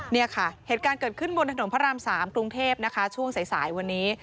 เนี่ยค่ะเหตุการณ์เกิดขึ้นบนถนนพระราม๓กรุงเทพนะคะช่วงสายวันนี้